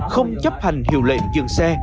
không chấp hành hiệu lệnh dường xe